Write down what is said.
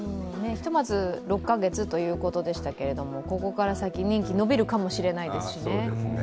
ひとまず６か月ということでしたけれども、ここから先、任期伸びるかもしれないですしね。